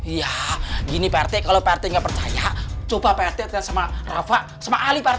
iya gini pak rete kalau pak rete gak percaya coba pak rete lihat sama rafa sama ali pak rete